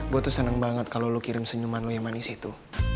gue tuh seneng banget kalau lo kirim senyuman lo yang manis itu